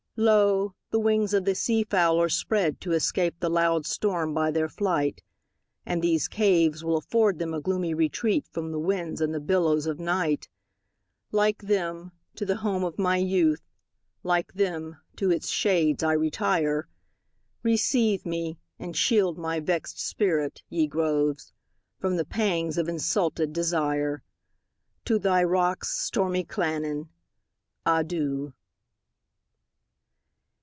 Lo! the wings of the sea fowl are spreadTo escape the loud storm by their flight; And these caves will afford them a gloomy retreatFrom the winds and the billows of night; Like them, to the home of my youth, Like them, to its shades I retire; Receive me, and shield my vexed spirit, ye groves, From the pangs of insulted desire! To thy rocks, stormy Llannon, adieu!